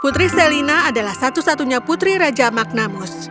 putri selina adalah satu satunya putri raja magnamus